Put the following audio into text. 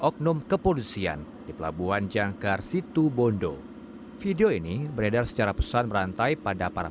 oknum kepolisian di pelabuhan jangkar situbondo video ini beredar secara pesan berantai pada para